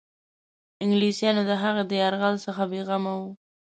انګلیسیانو د هغه له یرغل څخه بېغمه وه.